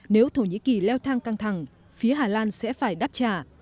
nếu thổ nhĩ kỳ leo thang căng thẳng phía hà lan sẽ phải đáp trả